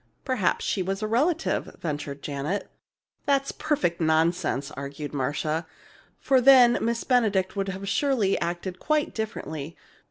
"Perhaps she was a relative," ventured Janet. "That's perfect nonsense," argued Marcia, "for then Miss Benedict would surely have acted quite differently.